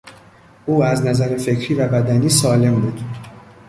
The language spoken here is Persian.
او از نظر فکری و بدنی سالم بود.